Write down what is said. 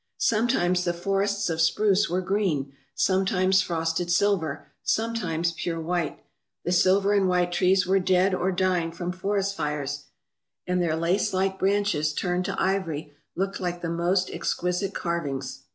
Sometimes the forests of spruce were green, sometimes frosted silver, sometimes pure white. The silver and white trees were dead or dying from forest fires, and their 259 ALASKA OUR NORTHERN WONDERLAND lace like branches, turned to ivory, looked like the most exquisite carvings.